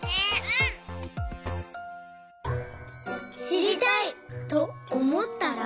「しりたい！」とおもったら。